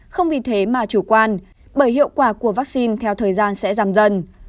không vì thế mà chủ quan bởi hiệu quả của vaccine theo thời gian sẽ giảm dần